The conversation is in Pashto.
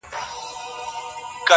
اوس د زمریو له برېتونو سره لوبي کوي!